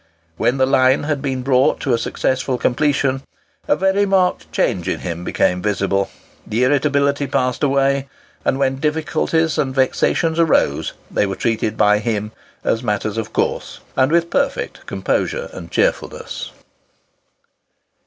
When the line had been brought to a successful completion, a very marked change in him became visible. The irritability passed away, and when difficulties and vexations arose they were treated by him as matters of course, and with perfect composure and cheerfulness.